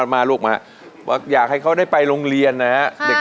มาลูกมาอยากให้เขาได้ไปโรงเรียนนะฮะเด็ก